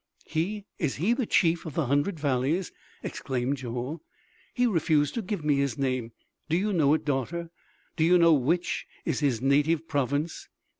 "He! Is he the Chief of the Hundred Valleys?" exclaimed Joel. "He refused to give me his name! Do you know it, daughter? Do you know which is his native province?"